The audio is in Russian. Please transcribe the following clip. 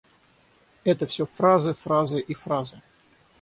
Это всё фразы, фразы и фразы!